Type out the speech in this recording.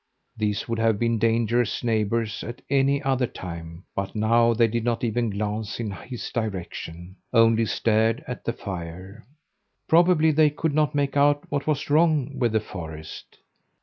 These would have been dangerous neighbours at any other time, but now they did not even glance in his direction only stared at the fire. Probably they could not make out what was wrong with the forest.